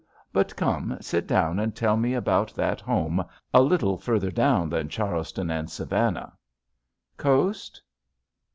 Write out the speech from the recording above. But come, sit down and tell me about that home, a little further down than Charleston and Savannah. Coast?"